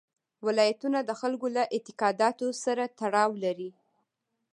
ولایتونه د خلکو له اعتقاداتو سره تړاو لري.